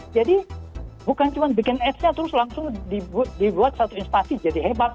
jadi bukan cuma bikin appsnya terus langsung dibuat satu instansi jadi hebat